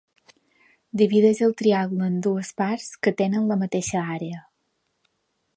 Divideix el triangle en dues parts que tenen la mateixa àrea.